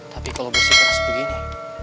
tapi kalau bersih keras begini